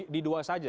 di dua saja